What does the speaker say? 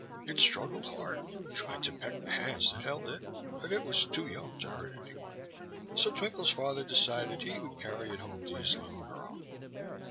It struggled hard, and tried to peck the hands that held it; but it was too young to hurt any one, so Twinkle's father decided he would carry it home to his little girl.